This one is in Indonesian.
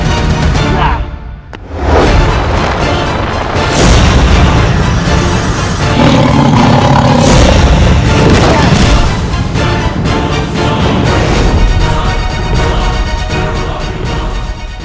aku akan mengenalimu